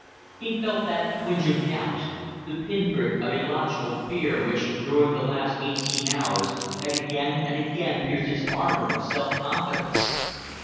He felt that twinge of doubt, the pin prick of illogical fear which during the last eighteen hours had again and again pierced his armor of self confidence.